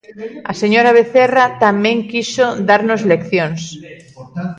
A señora Vecerra tamén quixo darnos leccións.